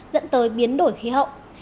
dẫn tới biến đổi khí hậu